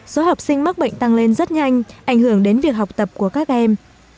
số học sinh mắc bệnh tăng lên rất nhanh ảnh hưởng đến việc học tập của các em